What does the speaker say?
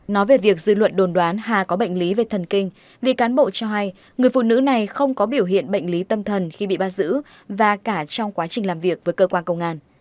nói về việc dư luận đồn đoán hà có bệnh lý về thần kinh vì cán bộ cho hay người phụ nữ này không có biểu hiện bệnh lý tâm thần khi bị bắt giữ và cả trong quá trình làm việc với cơ quan công an